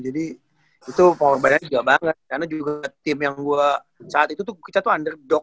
jadi itu pengorbanannya juga banget karena juga tim yang gue saat itu tuh kita tuh underdog